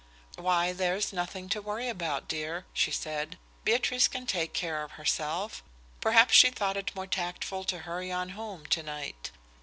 "Why, there's nothing to worry about, dear," she said. "Beatrice can take care of herself. Perhaps she thought it more tactful to hurry on home tonight.